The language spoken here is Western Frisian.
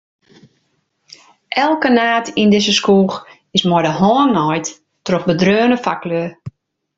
Elke naad yn dizze skoech is mei de hân naaid troch bedreaune faklju.